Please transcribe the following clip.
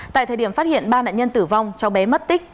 tại thời điểm phát hiện ba nạn nhân tử vong cháu bé mất tích